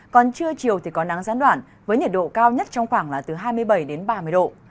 còn trưa chiều thì có nắng gián đoạn với nhiệt độ cao nhất trong khoảng là từ hai mươi bảy đến ba mươi độ